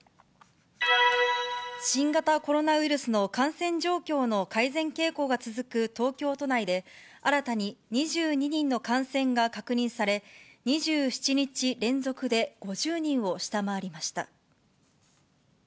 新型コロナウイルスの感染状況の改善傾向が続く東京都内で、新たに２２人の感染が確認され、２７日連続で５０人を下回りました。